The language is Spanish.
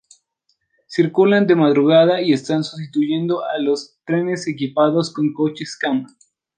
Circulan de madrugada y están sustituyendo a los trenes equipados con coches-cama.